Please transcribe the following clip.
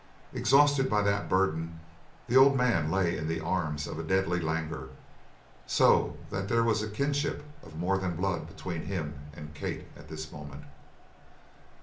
Exhausted by that burden, the old man lay in the arms of a deadly languor, so that there was a kinship of more than blood between him and Kate at this moment.